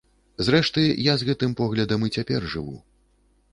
Зрэшты, я з гэтым поглядам і цяпер жыву.